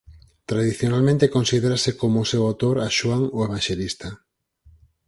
Tradicionalmente considérase como o seu autor a Xoán o Evanxelista.